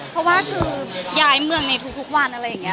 เพราะว่าคือย้ายเมืองในทุกวันอะไรอย่างนี้